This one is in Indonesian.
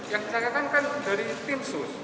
yang kecelakaan kan dari tim sus